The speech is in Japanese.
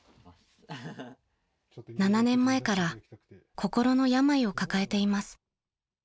［７年前から心の病を抱えています］